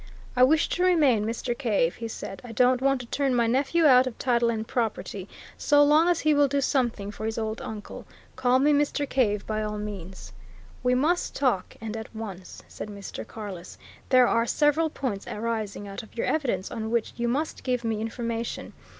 "I wish to remain Mr. Cave," he said. "I don't want to turn my nephew out of title and property, so long as he will do something for his old uncle. Call me Mr. Cave, by all means." "We must talk and at once," said Mr. Carless. "There are several points arising out of your evidence on which you must give me information.